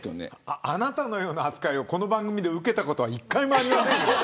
あなたのような扱いをこの番組で受けたことは１回もありません。